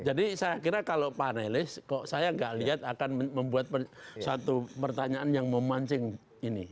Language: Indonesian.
jadi saya kira kalau panelis kok saya gak lihat akan membuat satu pertanyaan yang memancing ini